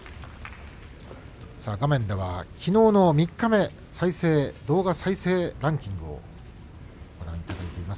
画面ではきのうの三日目動画再生ランキングをご覧いただいています。